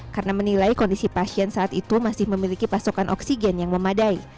karena menilai kondisi pasien saat itu masih memiliki pasokan oksigen yang memadai